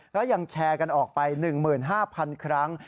ก็ยังแชร์กันออกไป๑๕๐๐๐ครั้ง